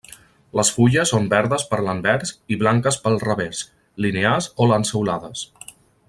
Les fulles són verdes per l'anvers i blanques pel revers, linears o lanceolades.